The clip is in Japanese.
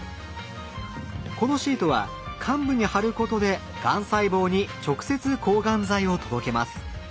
このシートは患部に貼ることでがん細胞に直接抗がん剤を届けます。